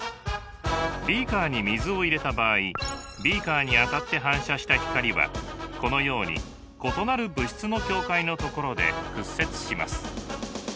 ビーカーに水を入れた場合ビーカーに当たって反射した光はこのように異なる物質の境界のところで屈折します。